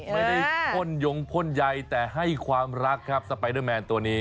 ไม่ได้พ่นยงพ่นใยแต่ให้ความรักครับสไปเดอร์แมนตัวนี้